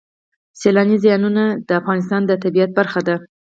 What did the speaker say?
سیلانی ځایونه د افغانستان د طبیعت برخه ده.